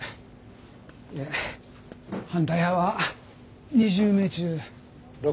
で反対派は２０名中６人で。